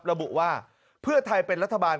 ระบุว่าเพื่อไทยเป็นรัฐบาล